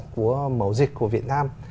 của mẫu dịch của việt nam